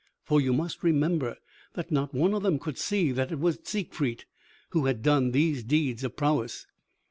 For you must remember that not one of them could see that it was Siegfried who had done these deeds of prowess.